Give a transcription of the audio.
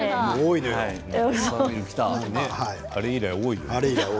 あれ以来、多いのよね。